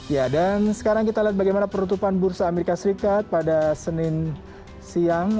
ya dan sekarang kita lihat bagaimana penutupan bursa amerika serikat pada senin siang